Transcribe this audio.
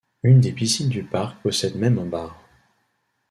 Une des piscine du parc possède même un bar.